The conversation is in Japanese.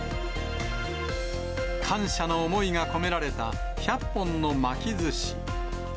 感謝の思いが込められた、１００本の巻きずし。